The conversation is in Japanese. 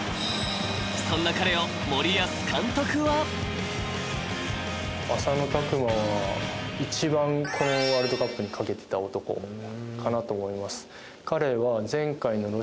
［そんな彼を森保監督は］浅野拓磨は一番このワールドカップに懸けてた男かなと思います。